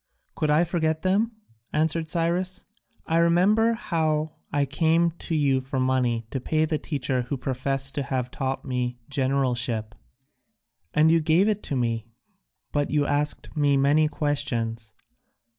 "Could I forget them?" answered Cyrus. "I remember how I came to you for money to pay the teacher who professed to have taught me generalship, and you gave it me, but you asked me many questions.